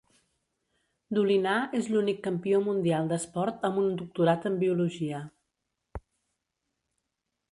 Dolinar és l'únic campió mundial d'esport amb un doctorat en Biologia.